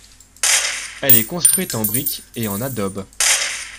Elle est construite en briques et en adobes.